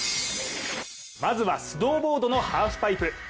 まずは、スノーボードのハーフパイプ。